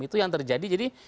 itu yang terjadi jadi